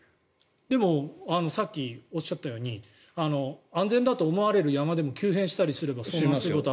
でもさっきおっしゃったように安全だと思われる山で急変したりすればそういうこともある。